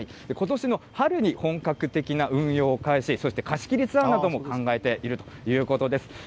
ことしの春に本格的な運用開始、そして貸し切りツアーなども考えているということです。